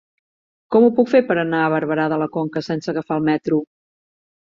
Com ho puc fer per anar a Barberà de la Conca sense agafar el metro?